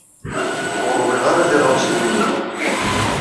Ur rwiɣ ara tiɣawsiwin-inu.